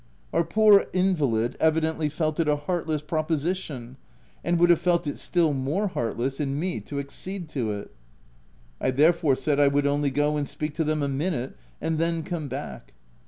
Our poor invalid evidently felt it a heartless proposition, 240 THE TENANT afid would have felt it still more heartless in me to accede to it. I therefore said I would only go and speak to them a minute, and then come back.